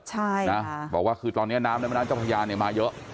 ใช่นะบอกว่าคือตอนนี้น้ำในแม่น้ำเจ้าพญาเนี่ยมาเยอะ